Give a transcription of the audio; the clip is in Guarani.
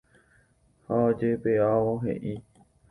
ha ojepe'ávo he'i